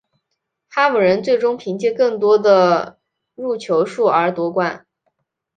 哈姆人最终凭借更多的入球数而夺冠。